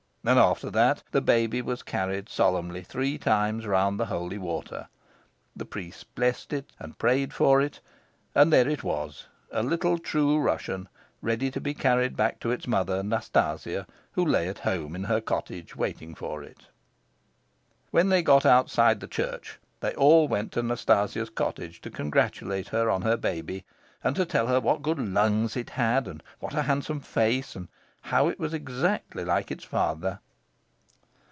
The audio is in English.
And after that the baby was carried solemnly three times round the holy water. The priest blessed it and prayed for it; and there it was, a little true Russian, ready to be carried back to its mother, Nastasia, who lay at home in her cottage waiting for it. When they got outside the church, they all went to Nastasia's cottage to congratulate her on her baby, and to tell her what good lungs it had, and what a handsome face, and how it was exactly like its father.